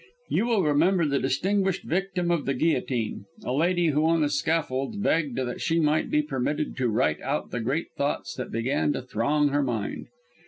You will remember the distinguished victim of the guillotine, a lady who on the scaffold begged that she might be permitted to write out the great thoughts that began to throng her mind.